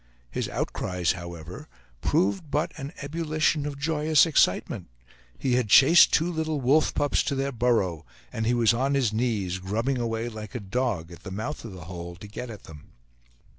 His outcries, however, proved but an ebullition of joyous excitement; he had chased two little wolf pups to their burrow, and he was on his knees, grubbing away like a dog at the mouth of the hole, to get at them.